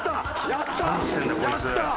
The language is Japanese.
やったー！